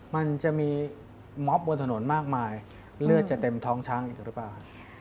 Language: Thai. มันจะมีม็อบบนถนนมากมายเลือดจะเต็มท้องช้างอีกหรือเปล่าครับ